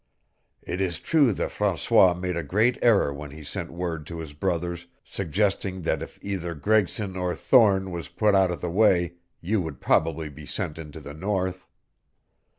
It is true that Francois made a great error when he sent word to his brothers suggesting that if either Gregson or Thorne was put out of the way you would probably be sent into the North.